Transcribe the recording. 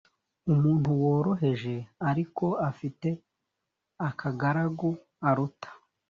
umuntu woroheje ariko afite akagaragu aruta